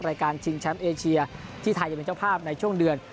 ชิงแชมป์เอเชียที่ไทยจะเป็นเจ้าภาพในช่วงเดือน